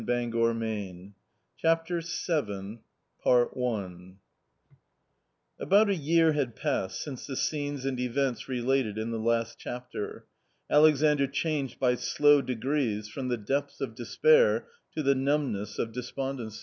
•« J CHAPTER VII ABOUTa year had passed since the scenes and events relateoTTn the last chapter. Alexandr changed by slow degrees from the depths of despair to the numbness of despondency.